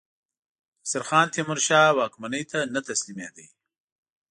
نصیرخان تیمورشاه واکمنۍ ته نه تسلیمېدی.